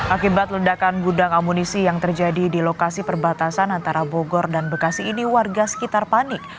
akibat ledakan gudang amunisi yang terjadi di lokasi perbatasan antara bogor dan bekasi ini warga sekitar panik